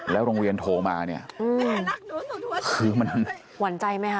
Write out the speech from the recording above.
แล้วโรงเรียนโทรมาวรรณ์ใจไหมฮะ